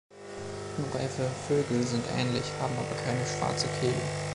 Unreife Vögel sind ähnlich, haben aber keine schwarze Kehle.